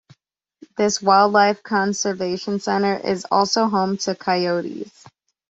This wildlife conservation center is also home to coyotes.